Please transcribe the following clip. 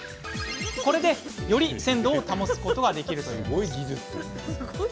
これでより鮮度を保つことができるというのです。